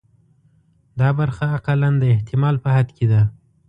دا برخه اقلاً د احتمال په حد کې ده.